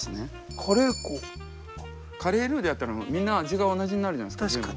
カレールーでやったらみんな味が同じになるじゃないですか全部。